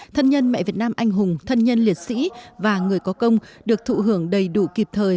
thân nhân mẹ việt nam anh hùng thân nhân liệt sĩ và người có công được thụ hưởng đầy đủ kịp thời